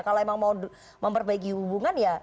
kalau emang mau memperbaiki hubungan ya